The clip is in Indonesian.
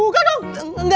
enggak enggak enggak